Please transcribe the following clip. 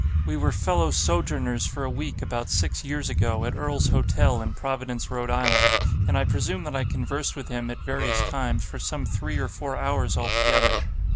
We were fellow sojourners for a week about six years ago, at Earl's Hotel, in Providence, Rhode Island; and I presume that I conversed with him, at various times, for some three or four hours altogether.